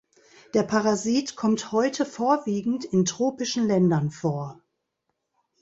Der Parasit kommt heute vorwiegend in tropischen Ländern vor.